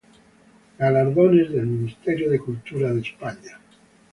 Galardones del Ministerio de Cultura de España